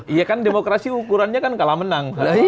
iya kan demokrasi ukurannya kan kalah menang